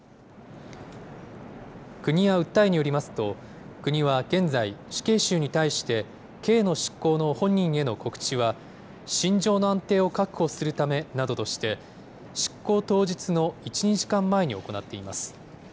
国や訴えによりますと、国は現在、死刑囚に対して、刑の執行の本人への告知は、心情の安定を確保するためなどとして、執行当日の１、２時間前に行っています。